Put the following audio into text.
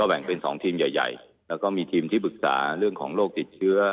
แบ่งเป็น๒ทีมใหญ่แล้วก็มีทีมที่ปรึกษาเรื่องของโรคติดเชื้อ